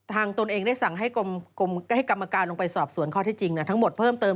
ตนเองได้สั่งให้กรรมการลงไปสอบสวนข้อที่จริงทั้งหมดเพิ่มเติม